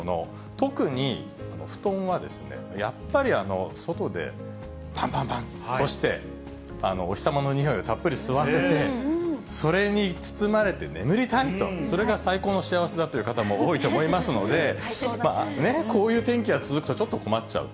特に布団はやっぱり外でぱんぱんぱんって干して、お日様のにおいをたっぷり吸わせて、それに包まれて眠りたいと、それが最高の幸せだという方も多いと思いますので、こういう天気が続くとちょっと困っちゃう。